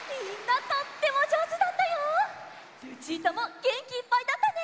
ルチータもげんきいっぱいだったね！